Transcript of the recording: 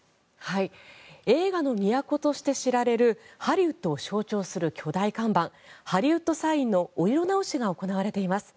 映画の都として知られるハリウッドを象徴する巨大看板ハリウッド・サインのお色直しが行われています。